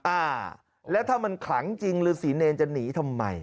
อ่าแล้วถ้ามันขลังจริงฤษีเนรจะหนีทำไม